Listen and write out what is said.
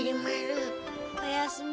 おやすみ。